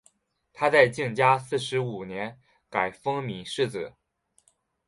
他在嘉靖四十五年改封岷世子。